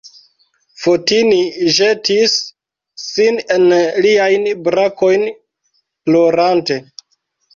Fotini ĵetis sin en liajn brakojn plorante.